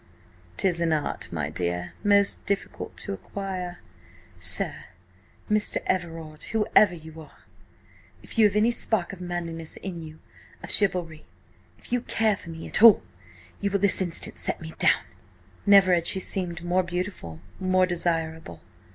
"'Tis an art, my dear, most difficult to acquire." "Sir–Mr. Everard–whoever you are–if you have any spark of manliness in you, of chivalry, if you care for me at all, you will this instant set me down!" Never had she seemed more beautiful, more desirable.